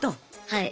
はい。